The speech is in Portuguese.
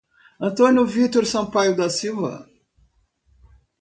Antônio Victor Sampaio da Silva